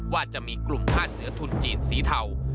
ว่าจะมีกลุ่มค่าเสือทุนจีนสีเทา